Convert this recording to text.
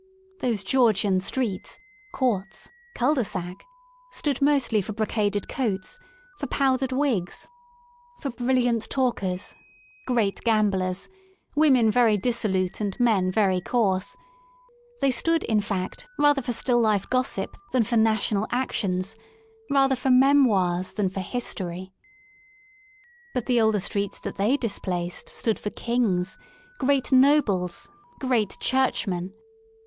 Those Georgian streets, courts, cu Is de sac stood mostly for brocaded coats, for powdered wigs, for i6i M THE SOUL OF LONDON bnlliatit talkers, great gamblers, women very dissolute and men very coarse; they stood, in fact, rather for still* life gossip than for national actio ns^, rather for Memoirs than for '* History/' But the older streets that they dis placed stood for kings, great nobles, great churchmen.